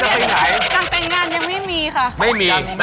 หลังแต่งงานยังไม่มีค่ะ